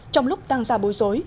trong lúc tăng ra bối rối